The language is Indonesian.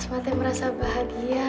asmat yang merasa bahagia